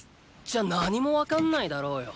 じゃあ何もわかんないだろうよ。